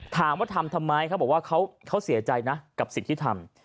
ถามว่าทำทำไมเขาบอกว่าเขาเสียใจนะกับสิ่งที่ทำ